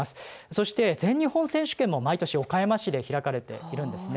そして、全日本選手権も毎年、岡山で開かれています。